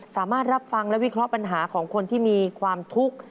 สามารถรับฟังและวิเคราะห์ปัญหาของคนที่มีความทุกข์